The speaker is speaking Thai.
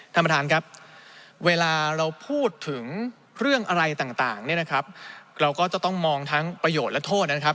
ท่านปฐานครับเวลาเราพูดถึงเรื่องอะไรต่างเราก็ต้องมองทั้งประโยชน์และโทษนะครับ